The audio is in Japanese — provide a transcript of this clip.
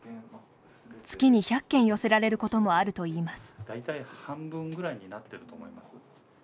月に１００件寄せられることもあるといいます。